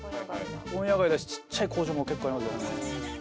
問屋街だし小さい工場も結構ありますよね。